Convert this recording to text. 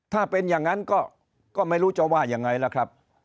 ถ้าเป็นอย่างนั้นก็ไม่รู้จะว่ายังไงล่ะครับ